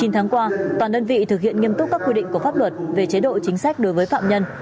chín tháng qua toàn đơn vị thực hiện nghiêm túc các quy định của pháp luật về chế độ chính sách đối với phạm nhân